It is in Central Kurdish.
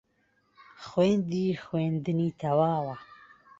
خوێندی خوێندنی تەواوە